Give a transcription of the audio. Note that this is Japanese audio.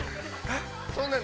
そんなん。